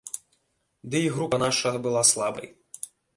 Ды і група наша была слабай.